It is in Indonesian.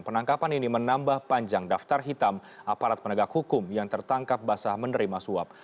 penangkapan ini menambah panjang daftar hitam aparat penegak hukum yang tertangkap basah menerima suap